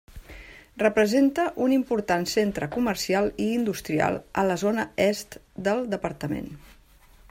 Representa un important centre comercial i industrial a la zona est del departament.